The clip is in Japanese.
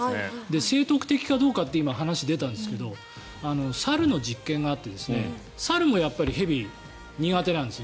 生得的かどうかって話が出たんですが猿の実験があって猿もやっぱり蛇、苦手なんです。